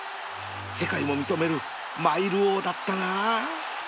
世界も認めるマイル王だったな